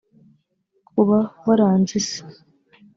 uba waranze Isi